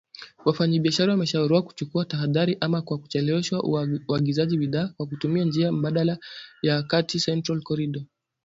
Wafanyabiashara wameshauriwa kuchukua tahadhari, ama kwa kuchelewesha uagizaji bidhaa au kutumia njia mbadala ya kati “Central Corridor”